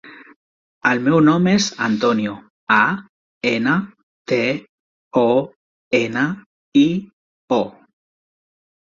El meu nom és Antonio: a, ena, te, o, ena, i, o.